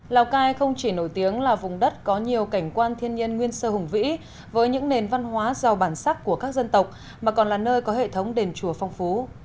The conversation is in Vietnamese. lào cai không chỉ nổi tiếng là vùng đất có nhiều cảnh quan thiên nhiên nguyên sơ hùng vĩ với những nền văn hóa giàu bản sắc của các dân tộc mà còn là nơi có hệ thống đền chùa phong phú